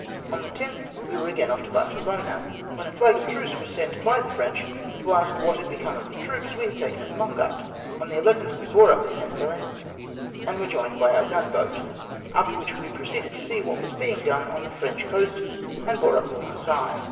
On the 10th we were again off Barcelona, when a Hag of truce was sent by the French to ask what had become of the troops we had taken at Mongat. On the 11th, we bore up for San Felin and were jomed by our gun boat, after which we proceeded to see what was being done on the French coast, and bore up for MarseiUes.